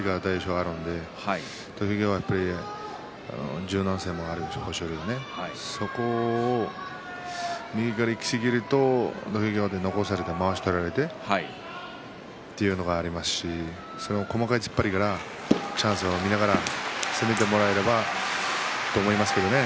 翔はあるので、土俵際柔軟性もある豊昇龍がそこを右からいきすぎると土俵際で残されて、まわしを取られてというのがありますし細かい突っ張りからチャンスを見ながら攻めてもらえればと思いますけどね。